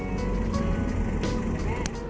tidak ada yang bisa dikawal